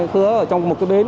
thứa trong một cái bến